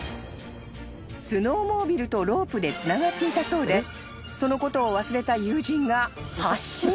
［スノーモービルとロープでつながっていたそうでそのことを忘れた友人が発進］